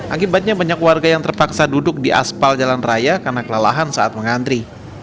akibatnya banyak warga yang terpaksa duduk di aspal jalan raya karena kelelahan saat mengantri